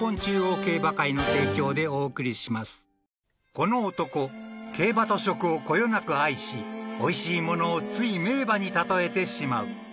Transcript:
［この男競馬と食をこよなく愛しおいしいものをつい名馬に例えてしまう］